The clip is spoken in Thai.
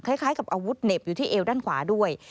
คล้ายกับอาวุธเหน็บอยู่ที่เอวด้านขวาด้วย